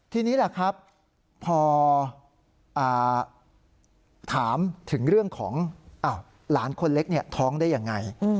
ทีนี้แหละครับพอถามถึงเรื่องของหลานคนเล็กท้องได้ยังไง